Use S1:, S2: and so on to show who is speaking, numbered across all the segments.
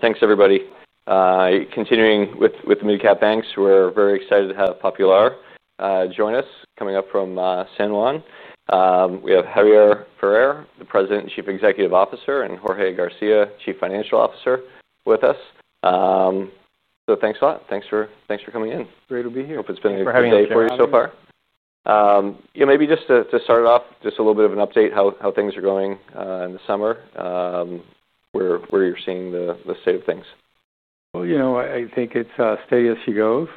S1: Thank you, everybody. Continuing with the MeetCap Banks, we're very excited to have Popular join us, coming up from San Juan. We have Javier Ferrer, the President and Chief Executive Officer, and Jorge Garcia, Chief Financial Officer, with us. Thanks a lot. Thanks for coming in.
S2: Great to be here.
S1: Hope it's been a good day for you so far. Maybe just to start it off, just a little bit of an update on how things are going in the summer, where you're seeing the state of things?
S2: I think it's steady as she goes.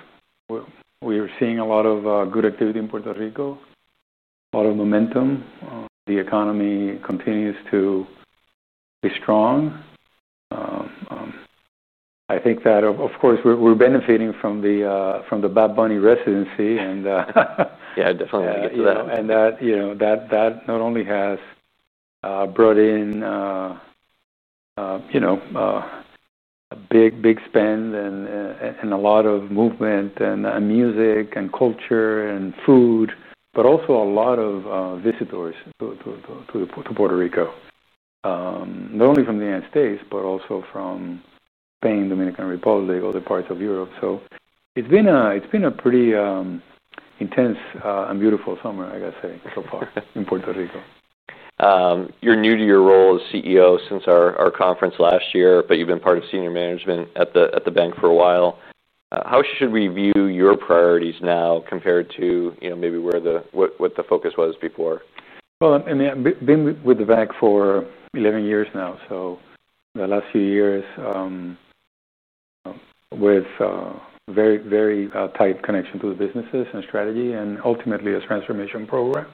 S2: We're seeing a lot of good activity in Puerto Rico, a lot of momentum. The economy continues to be strong. I think that, of course, we're benefiting from the Bad Bunny residency and,
S1: Yeah, definitely.
S2: That not only has brought in a big spend and a lot of movement and music and culture and food, but also a lot of visitors to Puerto Rico, not only from the United States, but also from Spain, Dominican Republic, and other parts of Europe. It's been a pretty intense and beautiful summer, I gotta say, so far in Puerto Rico.
S1: You're new to your role as CEO since our conference last year, but you've been part of Senior Management at the bank for a while. How should we view your priorities now compared to, you know, maybe where the focus was before?
S2: I have been with the bank for 11 years now. The last few years, with a very, very tight connection to the businesses and strategy and ultimately a transformation program,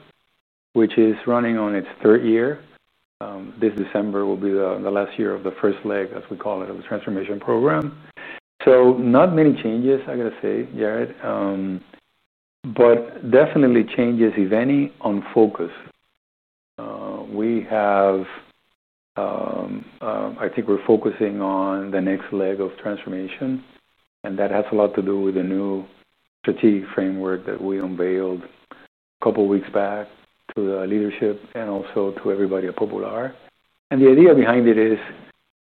S2: which is running on its third year. This December will be the last year of the first leg, as we call it, of the transformation program. Not many changes, I gotta say, Jared, but definitely changes, if any, on focus. We have, I think we're focusing on the next leg of transformation, and that has a lot to do with the new strategic framework that we unveiled a couple of weeks back to the leadership and also to everybody at Popular. The idea behind it is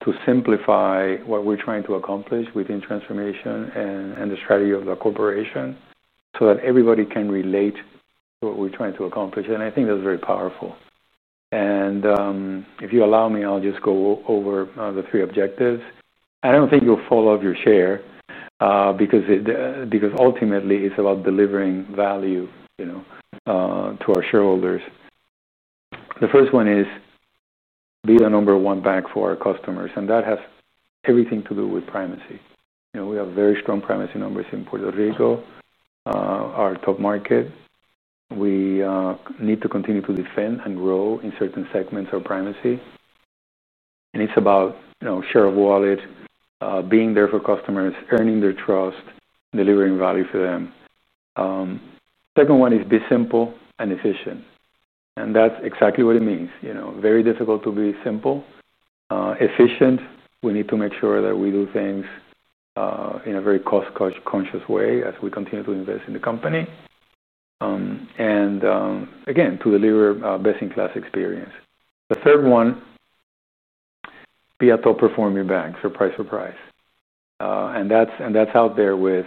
S2: to simplify what we're trying to accomplish within transformation and the strategy of the corporation so that everybody can relate to what we're trying to accomplish. I think that's very powerful. If you allow me, I'll just go over the three objectives. I don't think you'll fall off your chair, because ultimately it's about delivering value to our shareholders. The first one is be the number one bank for our customers, and that has everything to do with primacy. We have very strong primacy numbers in Puerto Rico, our top market. We need to continue to defend and grow in certain segments of primacy. It's about share of wallets, being there for customers, earning their trust, delivering value for them. The second one is be simple and efficient. That's exactly what it means. It's very difficult to be simple, efficient. We need to make sure that we do things in a very cost-conscious way as we continue to invest in the company, and again, to deliver a best-in-class experience. The third one, be a top-performing bank, surprise, surprise. That's out there with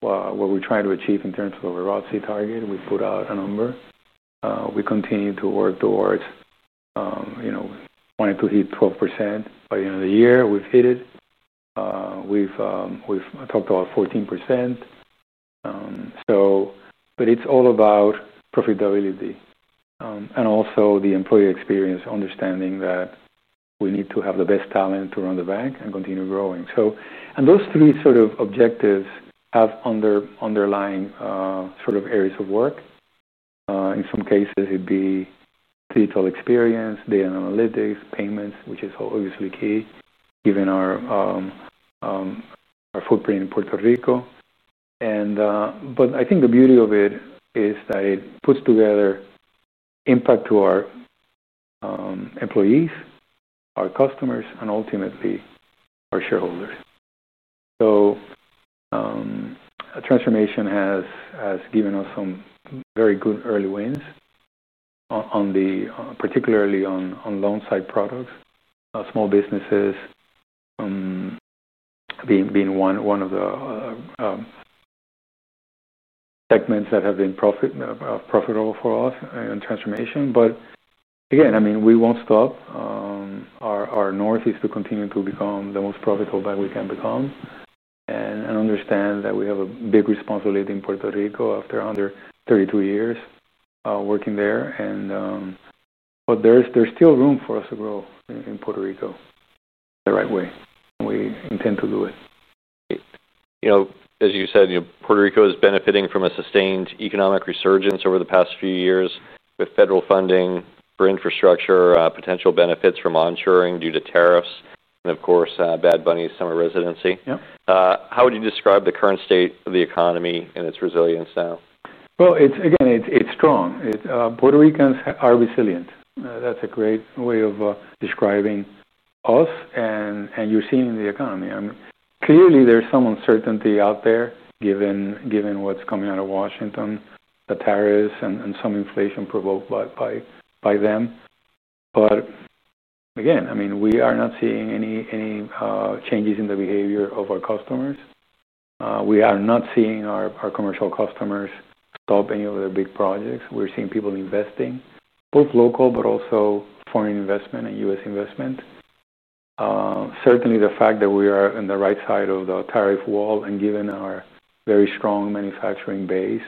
S2: what we're trying to achieve in terms of our ROTCE target. We've put out a number. We continue to work towards wanting to hit 12% by the end of the year. We've hit it. We've talked about 14%. It's all about profitability and also the employee experience, understanding that we need to have the best talent to run the bank and continue growing. Those three objectives have underlying areas of work. In some cases, it'd be digital experience, data analytics, payments, which is obviously key, given our footprint in Puerto Rico. I think the beauty of it is that it puts together an impact to our employees, our customers, and ultimately our shareholders. Transformation has given us some very good early wins, particularly on loan side products, small businesses being one of the segments that have been profitable for us in transformation. We won't stop. Our north is to continue to become the most profitable bank we can become. I understand that we have a big responsibility in Puerto Rico after under 32 years working there. There's still room for us to grow in Puerto Rico the right way, and we intend to do it.
S1: Great. You know, as you said, Puerto Rico is benefiting from a sustained economic resurgence over the past few years with federal funding for infrastructure, potential benefits from onshoring due to tariffs, and of course, Bad Bunny summer residency.
S2: Yeah.
S1: How would you describe the current state of the economy and its resilience now?
S2: It's strong. Puerto Ricans are resilient. That's a great way of describing us, and you're seeing it in the economy. Clearly, there's some uncertainty out there given what's coming out of Washington, the tariffs, and some inflation provoked by them. Again, we are not seeing any changes in the behavior of our customers. We are not seeing our commercial customers stop any of the big projects. We're seeing people investing, both local, but also foreign investment and U.S. investment. Certainly, the fact that we are on the right side of the tariff wall and given our very strong manufacturing base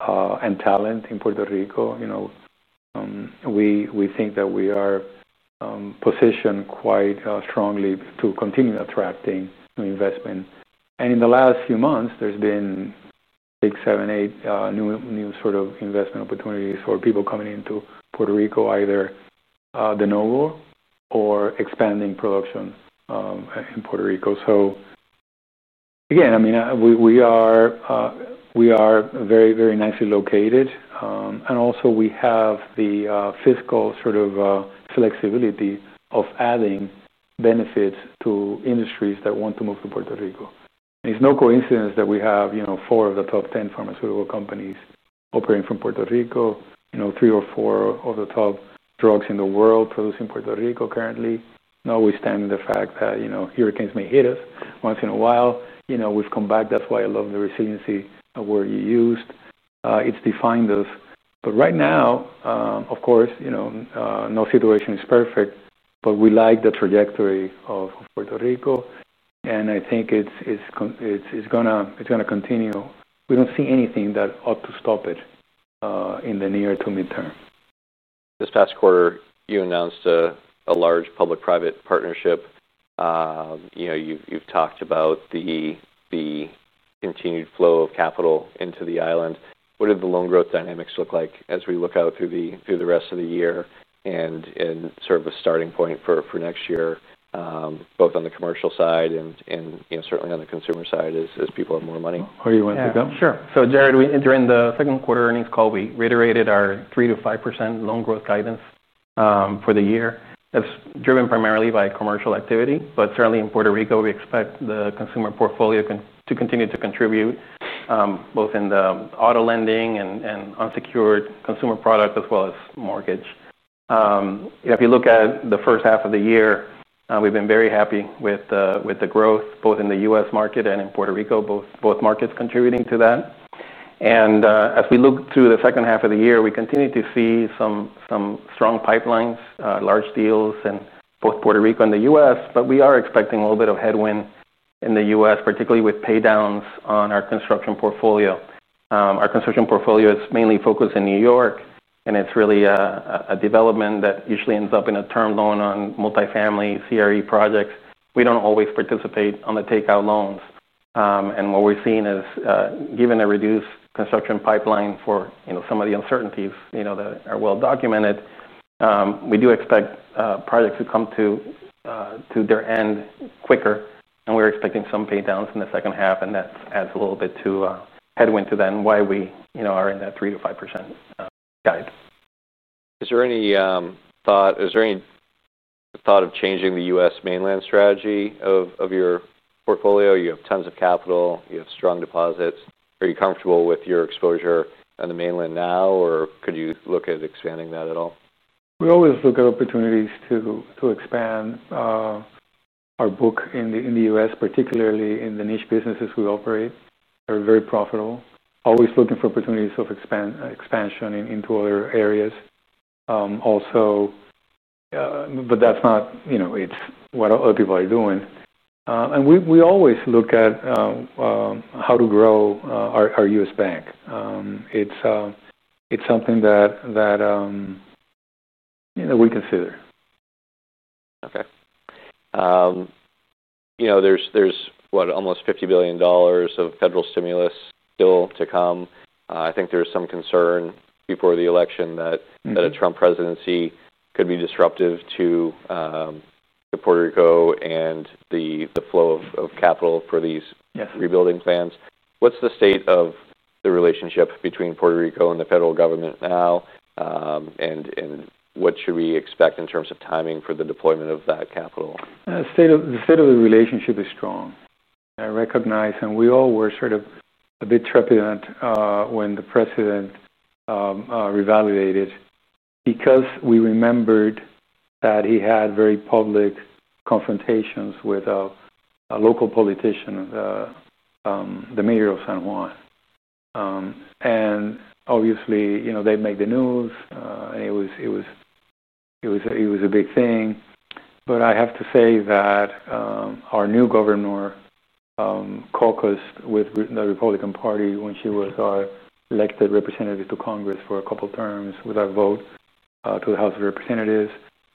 S2: and talent in Puerto Rico, we think that we are positioned quite strongly to continue attracting new investment. In the last few months, there's been six, seven, eight new investment opportunities for people coming into Puerto Rico, either novel or expanding production in Puerto Rico. We are very nicely located, and also, we have the fiscal flexibility of adding benefits to industries that want to move to Puerto Rico. It's no coincidence that we have four of the top 10 pharmaceutical companies operating from Puerto Rico, and three or four of the top drugs in the world produced in Puerto Rico currently. We stand in the fact that hurricanes may hit us once in a while. We've come back. That's why I love the resiliency of the word you used. It's defined us. Right now, of course, no situation is perfect, but we like the trajectory of Puerto Rico. I think it's going to continue. We don't see anything that ought to stop it in the near to mid term.
S1: This past quarter, you announced a large public-private partnership. You've talked about the continued flow of capital into the island. What do the loan growth dynamics look like as we look out through the rest of the year and sort of a starting point for next year, both on the commercial side and certainly on the consumer side as people have more money?
S2: Where do you want to go?
S3: Sure. Jared, we enter in the second quarter earnings call. We reiterated our 3% to 5% loan growth guidance for the year. That's driven primarily by commercial activity, but certainly in Puerto Rico, we expect the consumer portfolio to continue to contribute, both in the auto lending and unsecured consumer product as well as mortgage. If you look at the first half of the year, we've been very happy with the growth both in the U.S. market and in Puerto Rico, both markets contributing to that. As we look through the second half of the year, we continue to see some strong pipelines, large deals in both Puerto Rico and the U.S., but we are expecting a little bit of headwind in the U.S., particularly with pay downs on our construction portfolio. Our construction portfolio is mainly focused in New York, and it's really a development that usually ends up in a term loan on multifamily CRE projects. We don't always participate on the takeout loans. What we're seeing is, given a reduced construction pipeline for some of the uncertainties that are well documented, we do expect projects to come to their end quicker. We're expecting some pay downs in the second half, and that adds a little bit to headwind to then why we are in that 3% to 5% guidance.
S1: Is there any thought of changing the U.S. mainland strategy of your portfolio? You have tons of capital. You have strong deposits. Are you comfortable with your exposure on the mainland now, or could you look at expanding that at all?
S2: We always look at opportunities to expand our book in the U.S., particularly in the niche businesses we operate. They're very profitable. Always looking for opportunities of expansion into other areas, also, but that's not, you know, it's what other people are doing. We always look at how to grow our U.S. bank. It's something that, you know, we consider.
S1: Okay. You know, there's what, almost $50 billion of federal stimulus still to come. I think there's some concern before the election that a Trump presidency could be disruptive to Puerto Rico and the flow of capital for these rebuilding plans. What's the state of the relationship between Puerto Rico and the federal government now, and what should we expect in terms of timing for the deployment of that capital?
S2: The state of the relationship is strong. I recognize, and we all were sort of a bit trepidant, when the President revalidated because we remembered that he had very public confrontations with a local politician, the Mayor of San Juan. Obviously, they'd make the news, and it was a big thing. I have to say that our new Governor caucused with the Republican Party when she was elected representative to Congress for a couple of terms without vote to the House of Representatives.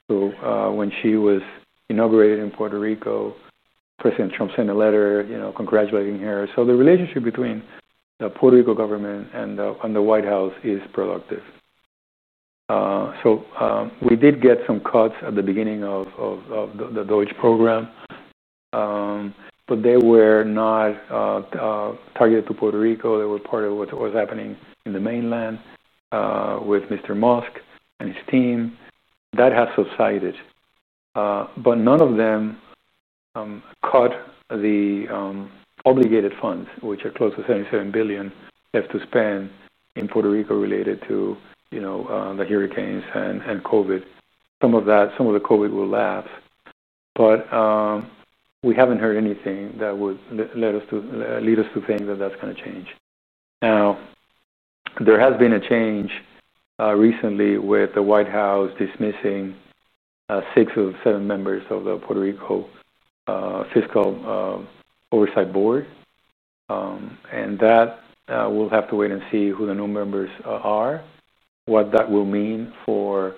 S2: When she was inaugurated in Puerto Rico, President Trump sent a letter congratulating her. The relationship between the Puerto Rico government and the White House is productive. We did get some cuts at the beginning of the Deutsche program, but they were not targeted to Puerto Rico. They were part of what was happening in the mainland, with Mr. Musk and his team. That has subsided, but none of them cut the obligated funds, which are close to $77 billion, to spend in Puerto Rico related to the hurricanes and COVID. Some of the COVID will lapse, but we haven't heard anything that would lead us to think that is going to change. There has been a change recently with the White House dismissing six of seven members of the Puerto Rico fiscal oversight board. We will have to wait and see who the new members are, what that will mean for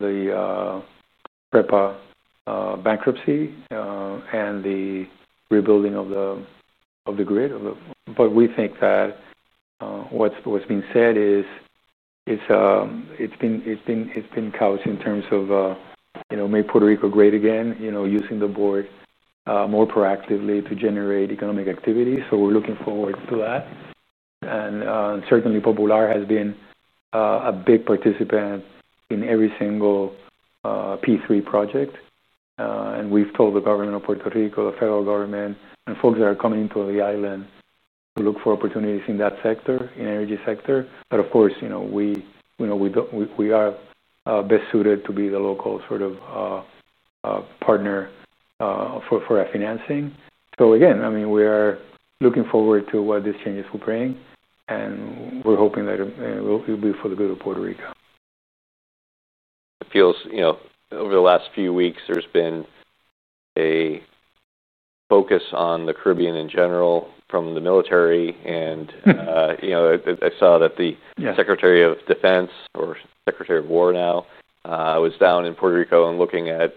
S2: the PREPA bankruptcy, and the rebuilding of the grid. We think that what's been said is it's been couched in terms of "make Puerto Rico great again," using the board more proactively to generate economic activity. We're looking forward to that. Certainly, Popular has been a big participant in every single P3 project. We've told the government of Puerto Rico, the federal government, and folks that are coming to the island to look for opportunities in that sector, in the energy sector, that, of course, we are best suited to be the local partner for our financing. Again, we are looking forward to what this change is fulfilling, and we're hoping that it will be for the good of Puerto Rico.
S1: It feels, you know, over the last few weeks, there's been a focus on the Caribbean in general from the military, and I saw that the Secretary of Defense, or Secretary of War now, was down in Puerto Rico and looking at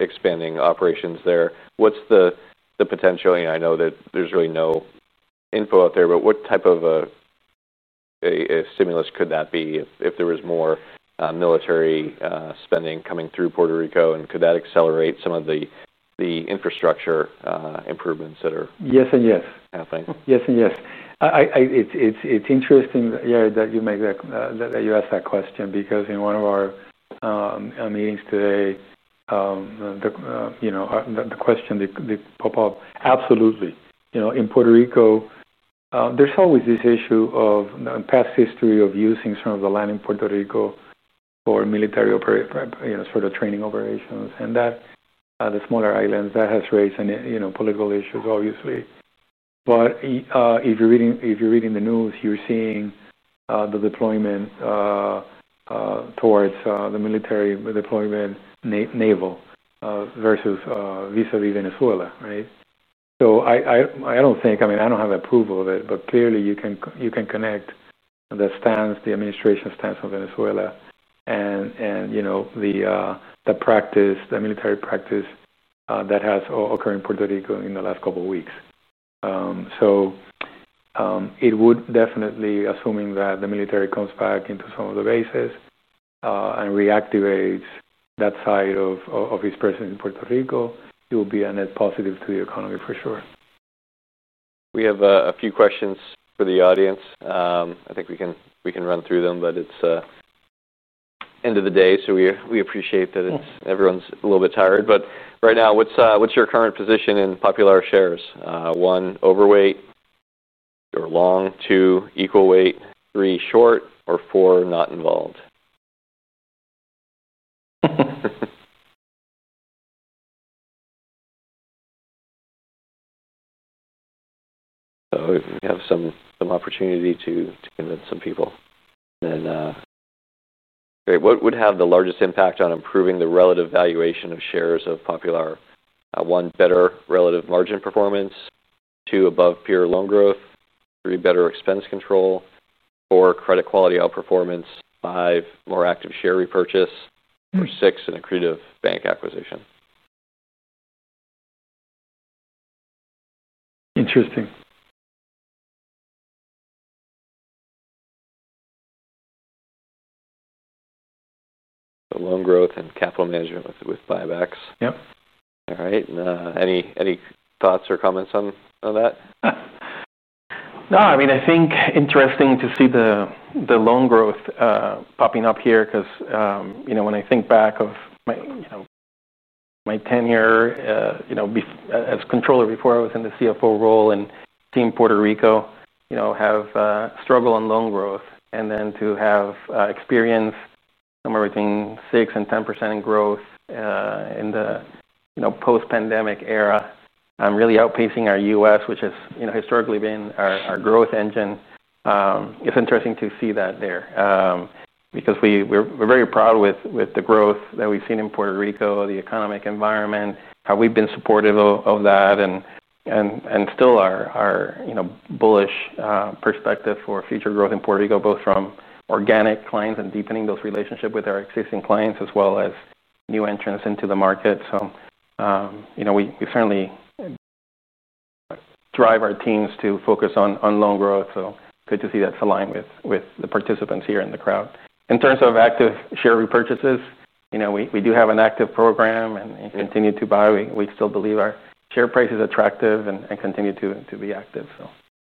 S1: expanding operations there. What's the potential? I know that there's really no info out there, but what type of a stimulus could that be if there was more military spending coming through Puerto Rico? Could that accelerate some of the infrastructure improvements that are?
S2: Yes, and yes.
S1: Happening?
S2: Yes and yes. It's interesting that you ask that question because in one of our meetings today, the question that popped up, absolutely. In Puerto Rico, there's always this issue of the past history of using some of the land in Puerto Rico for military training operations. The smaller island has raised political issues, obviously. If you're reading the news, you're seeing the deployment towards the military deployment, naval, vis a vis Venezuela. I don't think, I mean, I don't have approval of it, but clearly, you can connect the stance, the administration stance on Venezuela and the military practice that has occurred in Puerto Rico in the last couple of weeks. It would definitely, assuming that the military comes back into some of the bases and reactivates that side of its presence in Puerto Rico, it would be a net positive to the economy for sure.
S1: We have a few questions for the audience. I think we can run through them, but it's end of the day. We appreciate that everyone's a little bit tired. Right now, what's your current position in Popular shares? One, overweight or long. Two, equal weight. Three, short. Four, not involved. We have some opportunity to convince some people. Then, Great. What would have the largest impact on improving the relative valuation of shares of Popular? One, better relative margin performance. Two, above peer loan growth. Three, better expense control. Four, credit quality outperformance. Five, more active share repurchase. Six, an accretive bank acquisition.
S2: Interesting.
S1: Loan growth and capital management with buybacks.
S3: Yep.
S1: All right. Any thoughts or comments on that?
S3: No. I mean, I think interesting to see the loan growth popping up here because, you know, when I think back of my, you know, my tenure, you know, as Controller before I was in the CFO role and team Puerto Rico, you know, have struggled on loan growth and then to have experience somewhere between 6% and 10% in growth in the, you know, post-pandemic era, really outpacing our U.S., which has, you know, historically been our growth engine. It's interesting to see that there, because we're very proud with the growth that we've seen in Puerto Rico, the economic environment, how we've been supportive of that, and still our, you know, bullish perspective for future growth in Puerto Rico, both from organic clients and deepening those relationships with our existing clients, as well as new entrants into the market. You know, we certainly drive our teams to focus on loan growth. Good to see that's aligned with the participants here in the crowd. In terms of active share repurchases, you know, we do have an active program and continue to buy. We still believe our share price is attractive and continue to be active.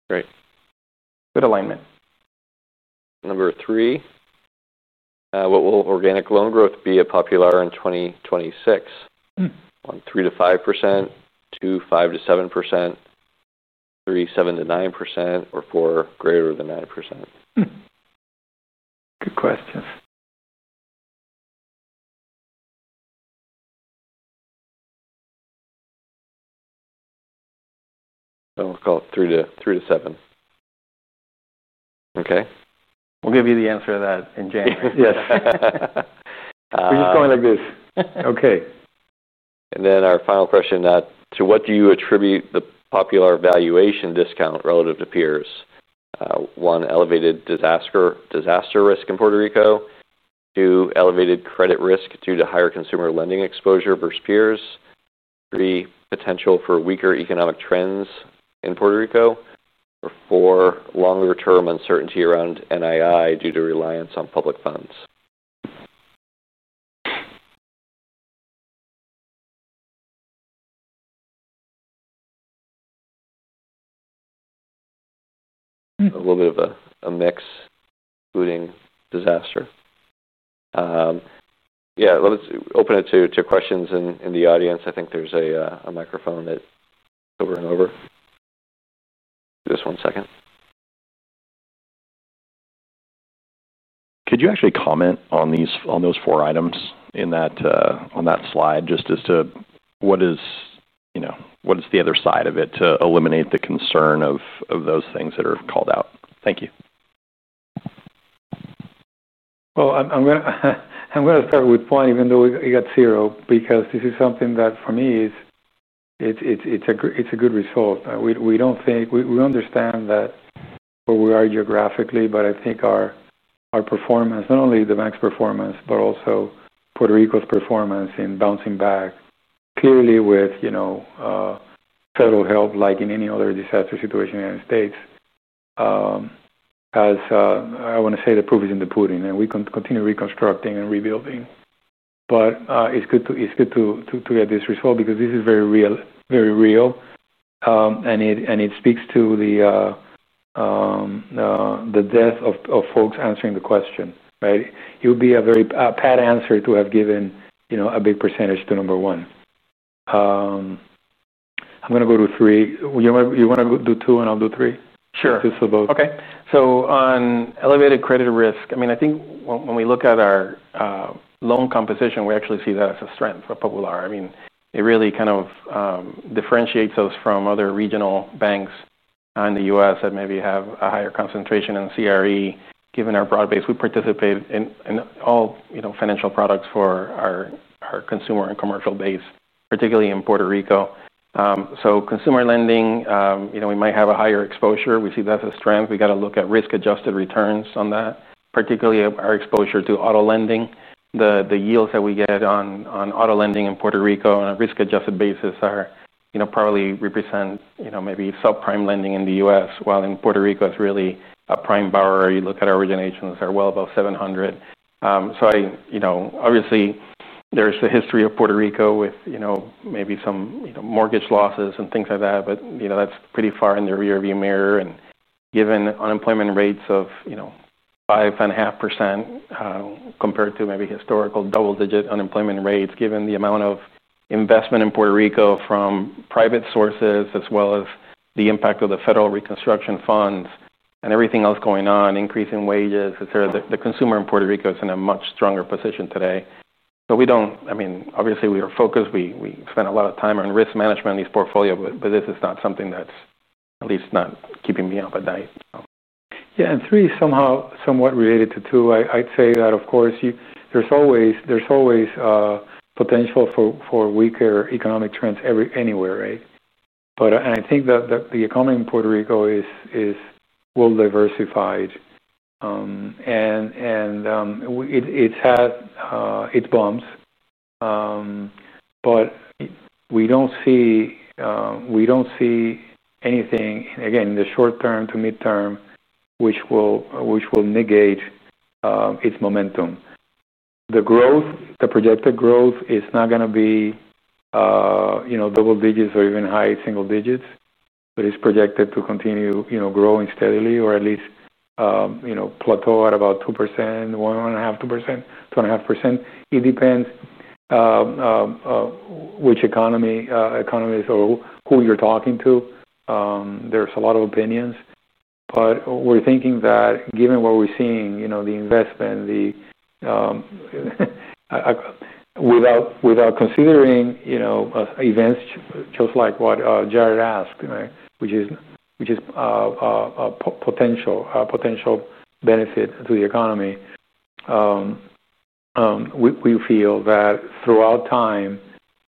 S1: Great.
S3: Good alignment.
S1: Number three. What will organic loan growth be at Popular in 2026? On 3% to 5%, 2, 5% to 7%, 3, 7% to 9%, or 4, greater than 9%?
S2: Good question.
S1: I'll call it 3% to 7%.
S3: Okay, we'll give you the answer to that in January.
S2: Yes.
S3: We're just going like this. Okay.
S1: Our final question: to what do you attribute the Popular valuation discount relative to peers? One, elevated disaster risk in Puerto Rico. Two, elevated credit risk due to higher consumer lending exposure versus peers. Three, potential for weaker economic trends in Puerto Rico. Four, longer-term uncertainty around NII due to reliance on public funds. A little bit of a mix including disaster. Let's open it to questions in the audience. I think there's a microphone over. Give us one second.
S4: Could you actually comment on those four items on that slide, just as to what is, you know, what is the other side of it to eliminate the concern of those things that are called out? Thank you.
S2: I'm going to start with one, even though we got zero, because this is something that for me is a good result. We don't think we understand that where we are geographically, but I think our performance, not only the bank's performance, but also Puerto Rico's performance in bouncing back clearly with, you know, federal help, like in any other disaster situation in the United States, as, I want to say the proof is in the pudding, and we can continue reconstructing and rebuilding. It's good to get this result because this is very real, very real, and it speaks to the depth of folks answering the question. Right? It would be a very pat answer to have given, you know, a big percentage to number one. I'm going to go to three. You want to do two and I'll do three?
S3: Sure.
S2: Just so both.
S3: Okay. On elevated credit risk, when we look at our loan composition, we actually see that as a strength for Popular. It really differentiates us from other regional banks in the U.S. that maybe have a higher concentration in CRE given our broad base. We participate in all financial products for our consumer and commercial base, particularly in Puerto Rico. In consumer lending, we might have a higher exposure. We see that as a strength. We have to look at risk-adjusted returns on that, particularly our exposure to auto lending. The yields that we get on auto lending in Puerto Rico on a risk-adjusted basis probably represent maybe subprime lending in the U.S., while in Puerto Rico, it's really a prime borrower. You look at our originations, they're well above 700. Obviously, there's a history of Puerto Rico with maybe some mortgage losses and things like that, but that's pretty far in the rearview mirror. Given unemployment rates of 5.5%, compared to maybe historical double-digit unemployment rates, given the amount of investment in Puerto Rico from private sources as well as the impact of the federal reconstruction funds and everything else going on, increasing wages, etc., the consumer in Puerto Rico is in a much stronger position today. We are focused. We spend a lot of time on risk management in this portfolio, but this is not something that's at least not keeping me up at night.
S2: Three is somehow somewhat related to two. I'd say that, of course, there's always potential for weaker economic trends anywhere. I think that the economy in Puerto Rico is well diversified, and it's had its bumps, but we don't see anything, again, in the short term to mid term, which will negate its momentum. The projected growth is not going to be double digits or even high single digits, but it's projected to continue growing steadily or at least plateau at about 2%, 1.5%, 2%, 2.5%. It depends which economies or who you're talking to. There's a lot of opinions. We're thinking that given what we're seeing, the investment, without considering events just like what Jared asked, which is a potential benefit to the economy, we feel that throughout time,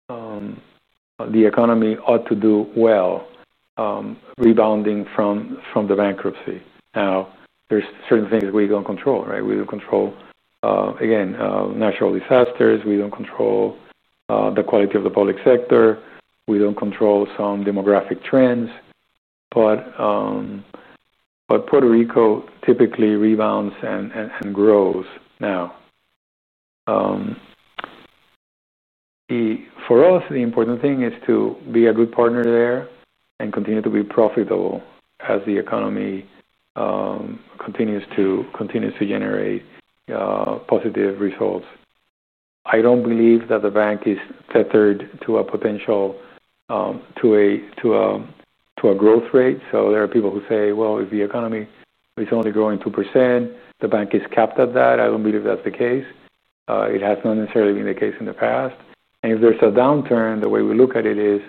S2: the economy ought to do well, rebounding from the bankruptcy. There are certain things that we don't control. We don't control, again, natural disasters. We don't control the quality of the public sector. We don't control some demographic trends. Puerto Rico typically rebounds and grows. For us, the important thing is to be a good partner there and continue to be profitable as the economy continues to generate positive results. I don't believe that the bank is tethered to a potential growth rate. There are people who say, well, if the economy is only growing 2%, the bank is capped at that. I don't believe that's the case. It has not necessarily been the case in the past. If there's a downturn, the way we look at it is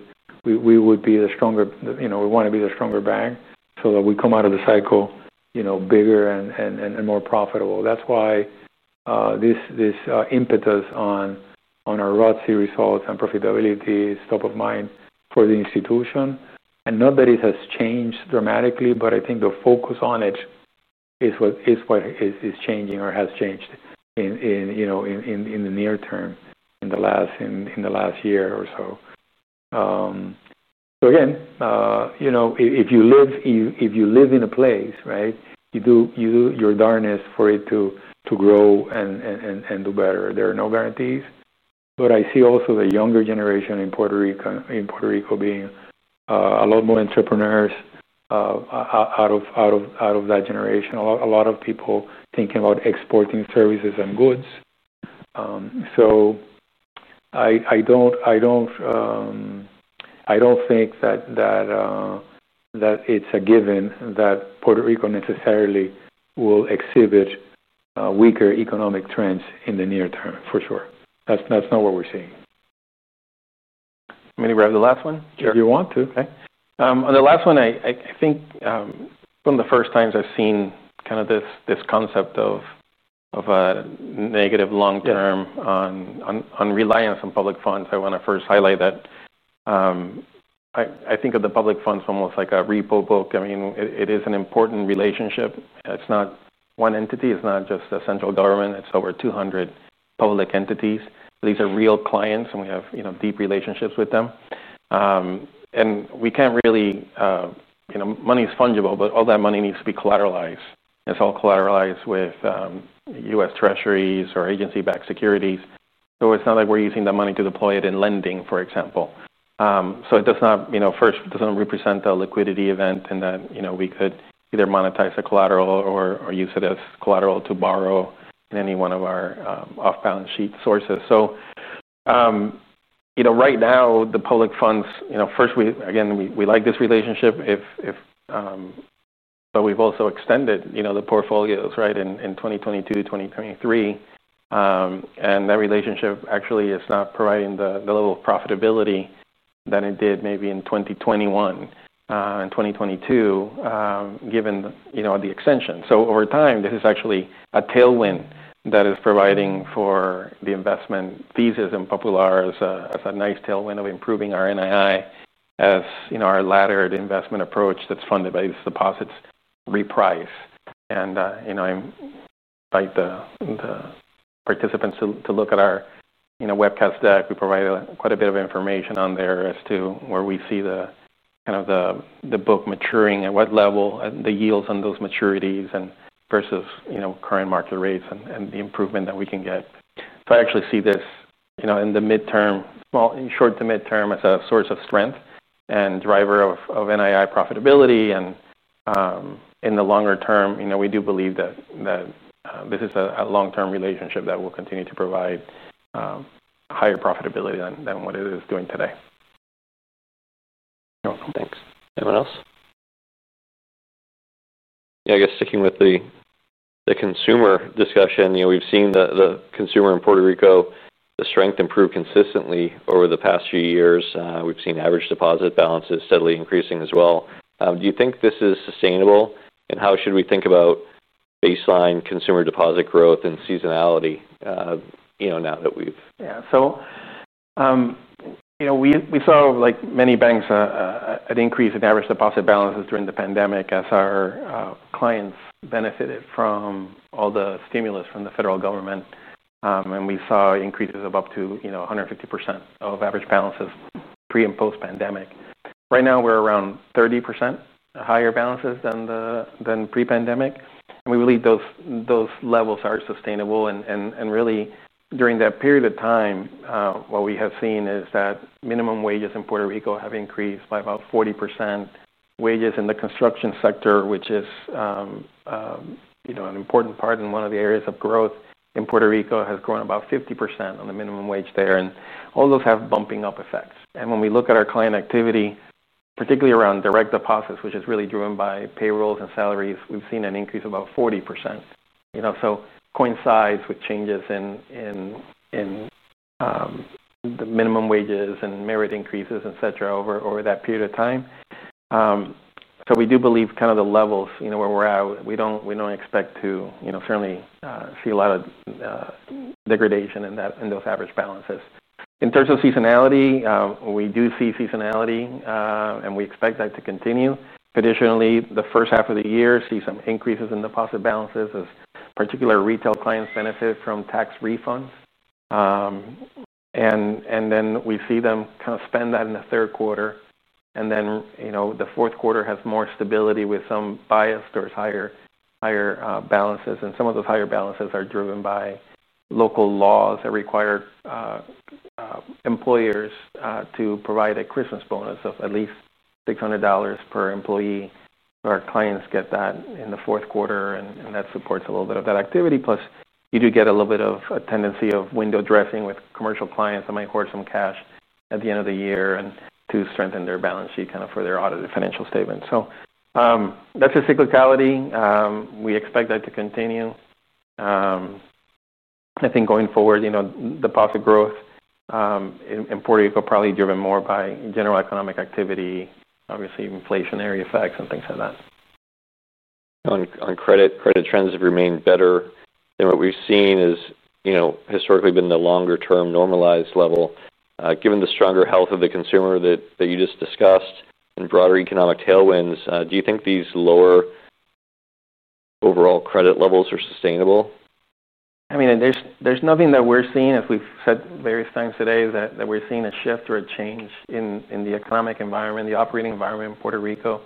S2: we would be the stronger, we want to be the stronger bank so that we come out of the cycle bigger and more profitable. That's why this impetus on our ROTCE results and profitability is top of mind for the institution. Not that it has changed dramatically, but I think the focus on it is what is changing or has changed in the near term, in the last year or so. If you live in a place, you do your darnest for it to grow and do better. There are no guarantees. I see also the younger generation in Puerto Rico being a lot more entrepreneurs out of that generation, a lot of people thinking about exporting services and goods. I don't think that it's a given that Puerto Rico necessarily will exhibit weaker economic trends in the near term for sure. That's not what we're seeing.
S3: Maybe we're at the last one?
S2: If you want to.
S3: Okay. On the last one, I think one of the first times I've seen this concept of a negative long term on reliance on public funds. I want to first highlight that I think of the public funds almost like a repo book. It is an important relationship. It's not one entity. It's not just a central government. It's over 200 public entities. These are real clients, and we have deep relationships with them. We can't really, you know, money is fungible, but all that money needs to be collateralized. It's all collateralized with U.S. Treasuries or agency-backed securities. It's not like we're using that money to deploy it in lending, for example. It does not represent a liquidity event in that we could either monetize the collateral or use it as collateral to borrow in any one of our off-balance sheet sources. Right now, the public funds, we like this relationship, but we've also extended the portfolios in 2022 to 2023. That relationship actually is not providing the level of profitability that it did maybe in 2021, in 2022, given the extension. Over time, this is actually a tailwind that is providing for the investment thesis in Popular as a nice tailwind of improving our NII as our laddered investment approach that's funded by these deposits reprice. I invite the participants to look at our webcast deck. We provide quite a bit of information on there as to where we see the book maturing at what level and the yields on those maturities versus current market rates and the improvement that we can get. I actually see this in the short to midterm as a source of strength and driver of NII profitability. In the longer term, we do believe that this is a long-term relationship that will continue to provide higher profitability than what it is doing today.
S1: Welcome. Thanks. Anyone else? Yeah. I guess sticking with the consumer discussion, we've seen the consumer in Puerto Rico, the strength improve consistently over the past few years. We've seen average deposit balances steadily increasing as well. Do you think this is sustainable? How should we think about baseline consumer deposit growth and seasonality, now that we've?
S3: Yeah. We saw, like many banks, an increase in average deposit balances during the pandemic as our clients benefited from all the stimulus from the federal government. We saw increases of up to 150% of average balances pre- and post-pandemic. Right now, we're around 30% higher balances than pre-pandemic. We believe those levels are sustainable. During that period of time, what we have seen is that minimum wages in Puerto Rico have increased by about 40%. Wages in the construction sector, which is an important part and one of the areas of growth in Puerto Rico, have grown about 50% on the minimum wage there. All those have bumping up effects. When we look at our client activity, particularly around direct deposits, which is really driven by payrolls and salaries, we've seen an increase of about 40%. That coincides with changes in the minimum wages and merit increases, etc., over that period of time. We do believe the levels where we're at, we don't expect to see a lot of degradation in those average balances. In terms of seasonality, we do see seasonality, and we expect that to continue. Additionally, the first half of the year sees some increases in deposit balances as particular retail clients benefit from tax refunds. Then we see them spend that in the third quarter. The fourth quarter has more stability with some bias towards higher balances. Some of those higher balances are driven by local laws that require employers to provide a Christmas bonus of at least $600 per employee. Our clients get that in the fourth quarter, and that supports a little bit of that activity. Plus, you do get a little bit of a tendency of window dressing with commercial clients that might hoard some cash at the end of the year to strengthen their balance sheet for their audited financial statements. That's a cyclicality we expect to continue. I think going forward, deposit growth in Puerto Rico is probably driven more by general economic activity, obviously inflationary effects and things like that.
S1: On credit, credit trends have remained better than what we've seen as historically been the longer-term normalized level. Given the stronger health of the consumer that you just discussed and broader economic tailwinds, do you think these lower overall credit levels are sustainable?
S3: I mean, there's nothing that we're seeing, as we've said various times today, that we're seeing a shift or a change in the economic environment, the operating environment in Puerto Rico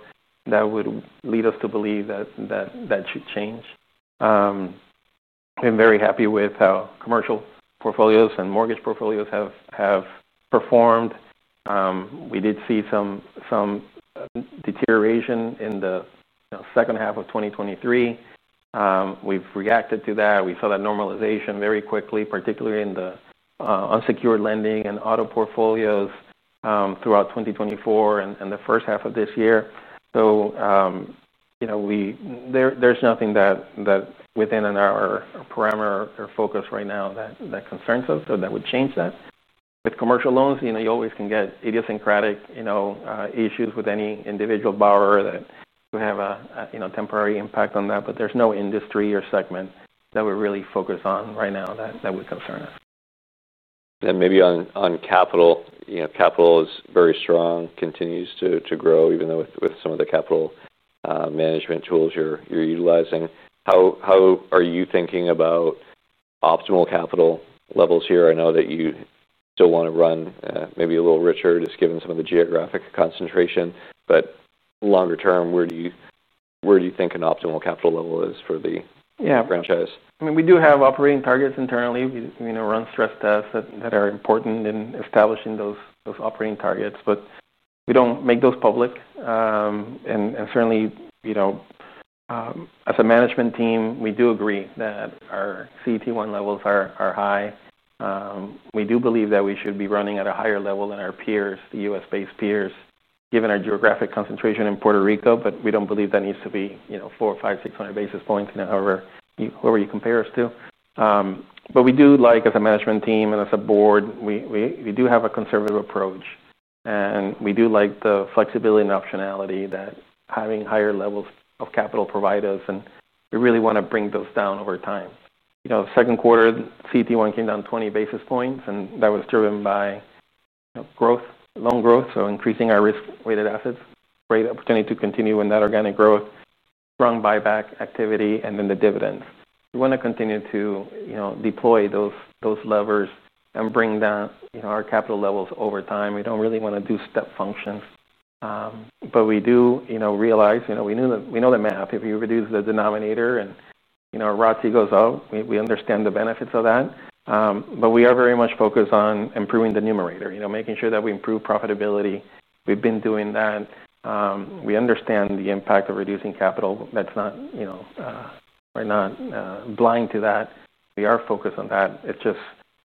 S3: that would lead us to believe that should change. I'm very happy with how commercial portfolios and mortgage portfolios have performed. We did see some deterioration in the second half of 2023. We've reacted to that. We saw that normalization very quickly, particularly in the unsecured lending and auto portfolios, throughout 2024 and the first half of this year. There's nothing within our parameter or focus right now that concerns us or that would change that. With commercial loans, you always can get idiosyncratic issues with any individual borrower that could have a temporary impact on that. There's no industry or segment that we're really focused on right now that would concern it.
S1: On capital, you know, capital is very strong, continues to grow, even with some of the capital management tools you're utilizing. How are you thinking about optimal capital levels here? I know that you still wanna run maybe a little richer just given some of the geographic concentration. Longer term, where do you think an optimal capital level is for the franchise?
S3: I mean, we do have operating targets internally. We run stress tests that are important in establishing those operating targets, but we don't make those public. Certainly, as a management team, we do agree that our CET1 levels are high. We do believe that we should be running at a higher level than our U.S.-based peers, given our geographic concentration in Puerto Rico, but we don't believe that needs to be 400 or 500, 600 basis points, however you compare us to. We do, as a management team and as a board, have a conservative approach. We do like the flexibility and optionality that having higher levels of capital provide us, and we really want to bring those down over time. Second quarter, CET1 came down 20 basis points, and that was driven by growth, loan growth, so increasing our risk-weighted assets, great opportunity to continue in that organic growth, strong buyback activity, and then the dividends. We want to continue to deploy those levers and bring down our capital levels over time. We don't really want to do step functions. We do realize, we know the math. If you reduce the denominator and our ROTCE goes up, we understand the benefits of that. We are very much focused on improving the numerator, making sure that we improve profitability. We've been doing that. We understand the impact of reducing capital. That's not, we're not blind to that. We are focused on that.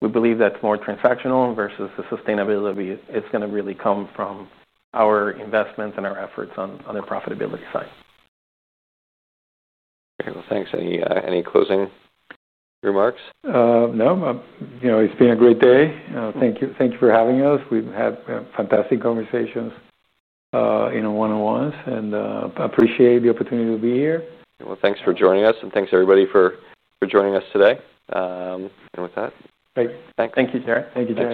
S3: We believe that's more transactional versus the sustainability. It's going to really come from our investments and our efforts on the profitability side.
S1: Okay. Thanks. Any closing remarks?
S2: No. You know, it's been a great day. Thank you. Thank you for having us. We've had fantastic conversations, one-on-ones, and appreciate the opportunity to be here.
S1: Thank you for joining us, and thanks, everybody, for joining us today.
S2: Thank you, Jared.
S3: Thank you, Jared.